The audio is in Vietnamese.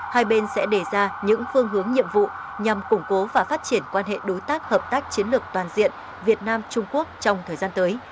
hai bên sẽ đề ra những phương hướng nhiệm vụ nhằm củng cố và phát triển quan hệ đối tác hợp tác chiến lược toàn diện việt nam trung quốc trong thời gian tới